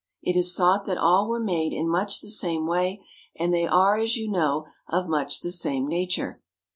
It is thought that all were made in much the same way, and they are, as you know, of much the same nature.